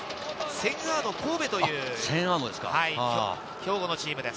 センアーノ神戸という兵庫のチームです。